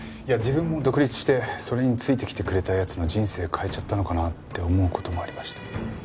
いや自分も独立してそれについてきてくれた奴の人生変えちゃったのかな？って思う事もありまして。